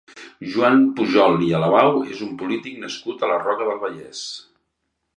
Joan Pujol i Alabau és un polític nascut a la Roca del Vallès.